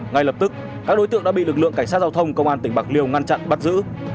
ngay lập tức các đối tượng đã bị lực lượng cảnh sát giao thông công an tỉnh bạc liêu ngăn chặn bắt giữ